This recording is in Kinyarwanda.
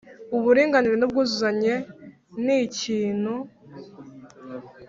Uburinganire n ubwuzuzanye ni ikintu